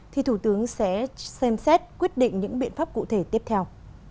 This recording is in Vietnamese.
thì thủ tướng sẽ xem xét quyết định những biện pháp cụ thể tiếp theo